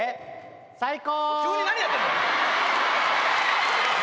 最高！